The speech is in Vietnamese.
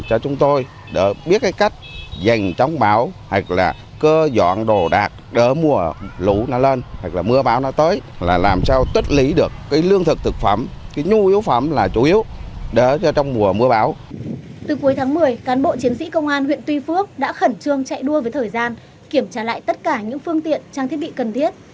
từ cuối tháng một mươi cán bộ chiến sĩ công an huyện tuy phước đã khẩn trương chạy đua với thời gian kiểm tra lại tất cả những phương tiện trang thiết bị cần thiết